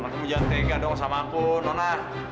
nona kamu jangan tega dong sama aku nona